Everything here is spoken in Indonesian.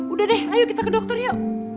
udah deh ayo kita ke dokter yuk